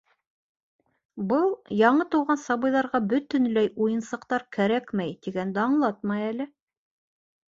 Был, яңы тыуған сабыйҙарға бөтөнләй уйынсыҡтар кәрәкмәй, тигәнде аңлатмай әле.